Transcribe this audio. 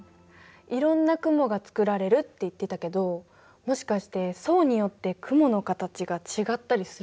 いろんな雲がつくられるって言ってたけどもしかして層によって雲の形が違ったりするのかな？